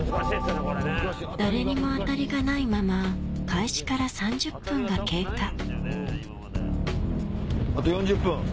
誰にもあたりがないまま開始から３０分が経過あと４０分。